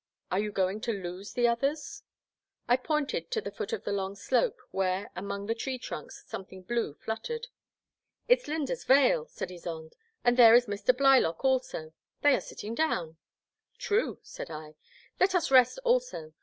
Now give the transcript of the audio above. Are you going to lose the others ?*' I pointed to the foot of the long slope, where, among the tree trunks, something blue fluttered. It 's I^ynda's veil,*' said Ysonde, " and there is Mr. Blylock, also ; they are sitting down. True, said I, *'let us rest also.